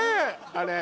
あれ